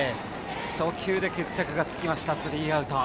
初球で決着がついてスリーアウト。